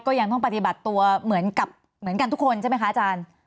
ก็ยังต้องปฏิบัติตัวเหมือนกันทุกคนใช่ไหมคะอาจารย์